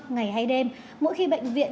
ngày hay đêm mỗi khi bệnh viện